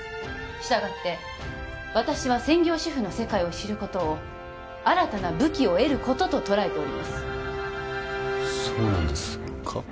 従って私は専業主婦の世界を知ることを新たな武器を得ることと捉えておりますそうなんですか？